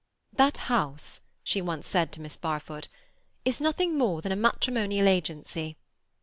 "That house," she once said to Miss Barfoot, "is nothing more than a matrimonial agency."